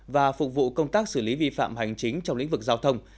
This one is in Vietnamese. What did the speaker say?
và phục vụ công tác xử lý vi phạm hành chính trong lĩnh vực giao thông